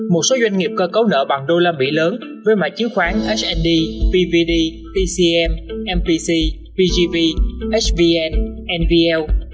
một số doanh nghiệp cơ cấu nợ bằng usd lớn với mạng chiếu khoán hnd vvd tcm mpc pgv hvn nvl